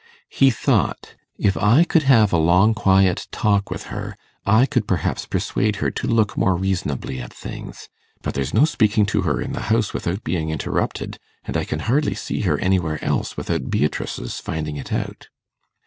He thought, 'If I could have a long quiet talk with her, I could perhaps persuade her to look more reasonably at things. But there's no speaking to her in the house without being interrupted, and I can hardly see her anywhere else without Beatrice's finding it out.